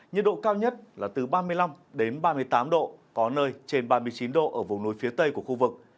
nhiệt độ cao nhất là từ ba mươi năm đến ba mươi tám độ có nơi trên ba mươi chín độ ở vùng núi phía bắc bộ